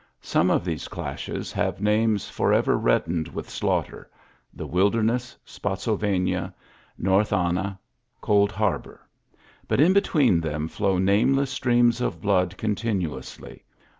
Some of these clashes have names forever reddened with slaughter^ — the Wilderness, Spottsylvania, North Anna, Cold Harbor; but in between them flow nameless streams of blood continuously.